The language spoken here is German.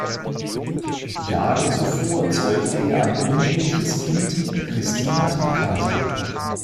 Jahre zuvor zeugte er ein uneheliches Kindes Cristina Icaza.